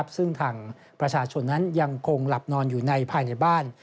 ซึ่งทางประชาชนนั้นยังคงหลับนอนอยู่ภายในบ้าน